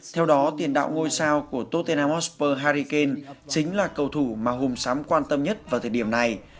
theo đó tiền đạo ngôi sao của tottenham hotspur harry kane chính là cầu thủ mà hùng sám quan tâm nhất vào thời điểm này